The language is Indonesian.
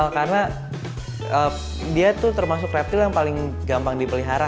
karena dia itu termasuk reptil yang paling gampang dipelihara